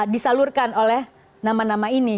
disalurkan oleh nama nama ini